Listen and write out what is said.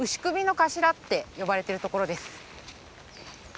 頭って呼ばれてるところです。